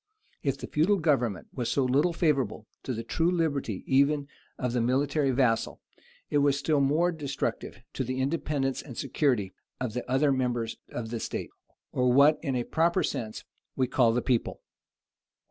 If the feudal government was so little favorable to the true liberty even of the military vassal, it was still more destructive of the independence and security of the other members of the state, or what in a proper sense we call the people.